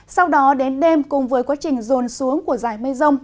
sau đó đến đêm cùng với quá trình rồn xuống của giải mây rông